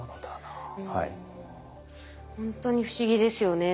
ほんとに不思議ですよね。